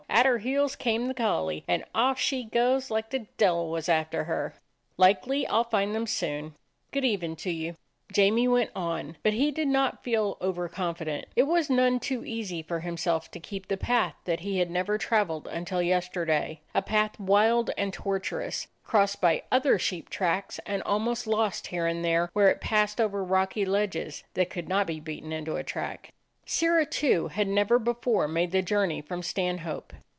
at her heels came the collie, and off she goes like the de'il was after her." "Likely I 'll find them soon. Good even to you." Jamie went on, but he did not feel over con fident. It was none too easy for himself to keep the path that he had never traveled until yesterday; a path wild and tortuous, crossed by other sheep tracks, and almost lost here and there where it passed over rocky ledges that could not be beaten into a track. Sirrah, too, had never before made the journey from Stanhope.